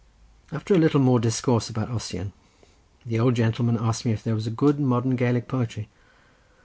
After a little more discourse about Ossian the old gentleman asked me if there was any good modern Gaelic poetry.